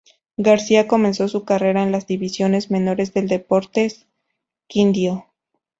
García comenzó su carrera en las divisiones Menores del Deportes Quindío.